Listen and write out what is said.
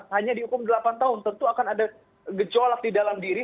hanya dihukum delapan tahun tentu akan ada gejolak di dalam diri